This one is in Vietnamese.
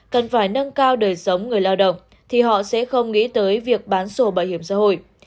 cần phải nâng cao đời sống người lao động thì họ sẽ không nghĩ tới việc bán sổ bảo hiểm xã hội